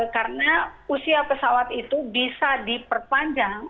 karena usia pesawat itu bisa diperpanjang